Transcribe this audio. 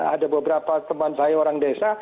ada beberapa teman saya orang desa